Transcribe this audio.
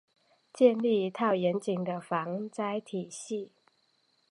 建立一套严谨的防灾体系